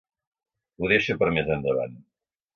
Ho deixo per més endavant.